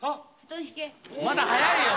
まだ早いよ！